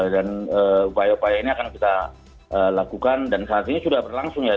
dan upaya upaya ini akan kita lakukan dan saat ini sudah berlangsung ya